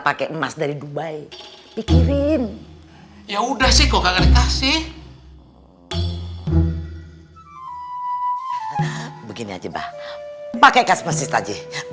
pakai emas dari dubai pikirin ya udah sih kok kagak kasih begini aja pak pakai kas persis aja